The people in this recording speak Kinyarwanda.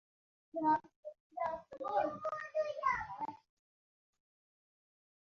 neza. ' Kandi urashobora kumva iminyururu a- jangle mugihe ugenda ugera